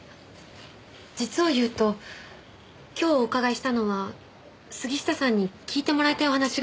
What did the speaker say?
実を言うと今日お伺いしたのは杉下さんに聞いてもらいたいお話があって。